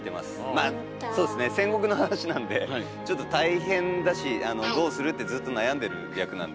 まあそうですね戦国の話なんでちょっと大変だし「どうする」ってずっと悩んでる役なんで。